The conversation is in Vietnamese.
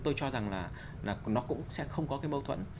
tôi cho rằng là nó cũng sẽ không có cái mâu thuẫn